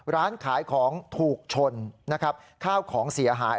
ร้านขายของถูกชนนะครับข้าวของเสียหาย